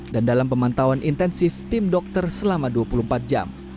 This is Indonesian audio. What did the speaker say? dan dalam pemantauan intensif tim dokter selama dua puluh empat jam